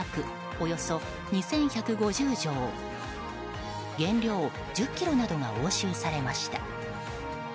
およそ２１５０錠原料１０ｋｇなどが押収されました。